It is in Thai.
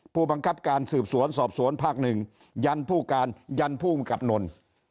ผู้บังคับการสืบสวนสอบสวนภาคหนึ่งยันผู้การยันภูมิกับนนท์